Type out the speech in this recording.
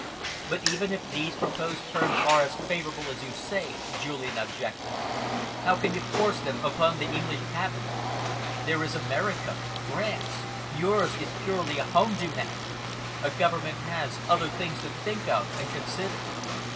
"But even if these proposed terms are as favourable as you say," Julian objected, "how can you force them upon the English Cabinet? There is America France. Yours is purely a home demand. A government has other things to think of and consider."